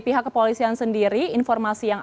pihak kepolisian sendiri informasi yang